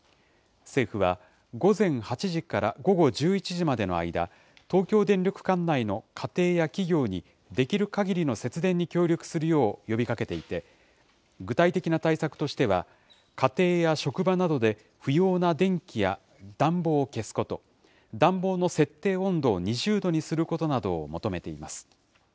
政府は、午前８時から午後１１時までの間、東京電力管内の家庭や企業に、できるかぎりの節電に協力するよう呼びかけていて、具体的な対策としては、家庭や職場などで、不要な電気や暖房を消すこと、暖房の設定温度を２０度にすることなどを求めています。